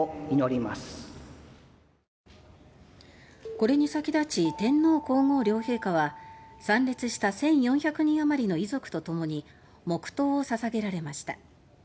これに先立ち天皇皇后両陛下は参列した１４００人あまりの遺族と共に黙とうを捧げられました。